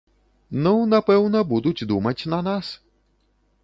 Ну, напэўна, будуць думаць на нас.